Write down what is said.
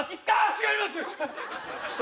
違いますっ！